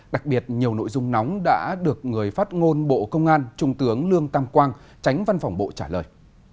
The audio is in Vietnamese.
đặc biệt nhiều nội dung nóng đã được người phát ngôn bộ công an trung tướng lương tam quang tránh văn phòng bộ trả lời